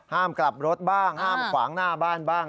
ห้ามกลับรถบ้างห้ามขวางหน้าบ้านบ้าง